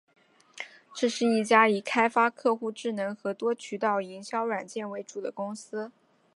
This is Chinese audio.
这是一家以开发客户智能和多渠道营销软件为主的公司。